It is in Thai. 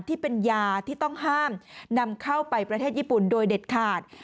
ที่เป็นยาที่ต้องห้ามนำเข้าไปประเทศญี่ปุ่นโดยเด็ดขาด